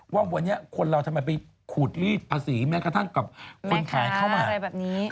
ว่าวันนี้คนเราทำไมไปขูดรีดภาษีแม้กระทั่งกับคนขายข้าวหมาอะไรแบบนี้